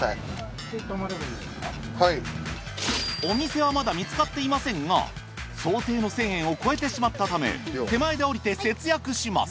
お店はまだ見つかっていませんが想定の１，０００円を超えてしまったため手前で降りて節約します。